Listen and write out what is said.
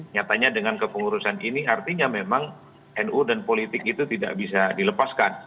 nyatanya dengan kepengurusan ini artinya memang nu dan politik itu tidak bisa dilepaskan